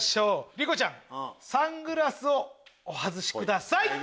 莉子ちゃんサングラスをお外しください。